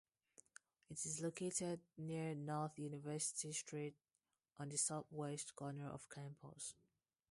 It is located near North University Street on the southwest corner of campus.